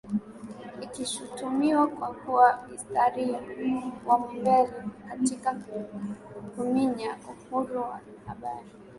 ikishutumiwa kwa kuwa msitari wa mbele katika kuminya uhuru wa Habari